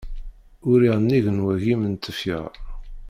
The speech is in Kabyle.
Uriɣ nnig n wagim n tefyar.